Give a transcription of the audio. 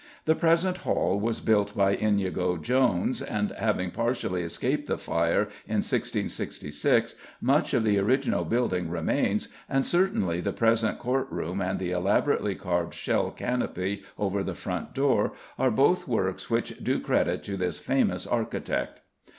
The present hall was built by Inigo Jones, and having partially escaped the fire in 1666, much of the original building remains, and certainly the present court room and the elaborately carved shell canopy over the front door are both works which do credit to this famous architect.